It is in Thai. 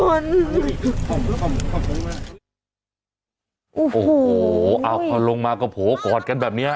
โอ้โหพอลงมาก็โผล่กอดกันแบบนี้